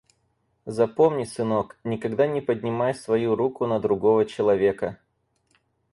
Запомни, сынок, никогда не поднимай свою руку на другого человека.